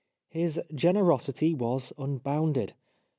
His generosity was unbounded.